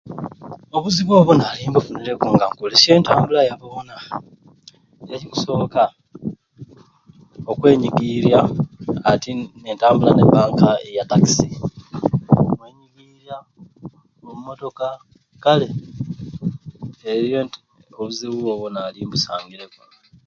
Obuzibu obwo naali mbufunireku nenaali nkukolesya entabula ya boona ekikusooka okwenyigirya ati entambula neba nka ya takisi mwemigirya omu motoka kale obuzibu obwo naali mbusangiireku.